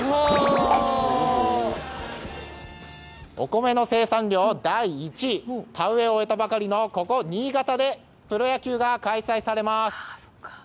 お米の生産量第１位田植えを終えたばかりのここ新潟でプロ野球が開催されます。